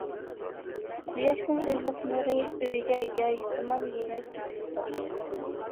قۇياشنىڭ ئىللىق نۇرى ئۆيگە يايسىمان يېيىلىپ كېتىپتۇ.